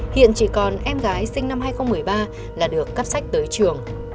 hiện chỉ còn em gái sinh năm hai nghìn một mươi ba là được cắp sách tới trường